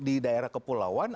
di daerah kepulauan